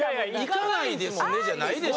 行かないですねじゃないでしょ。